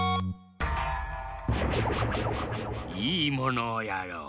いいものをやろう。